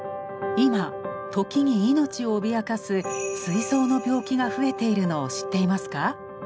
今時に命を脅かすすい臓の病気が増えているのを知っていますか？